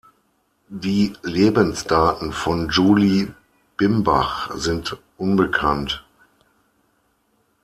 Die Lebensdaten von Julie Bimbach sind unbekannt.